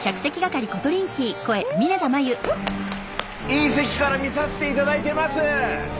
いい席から見させていただいてます。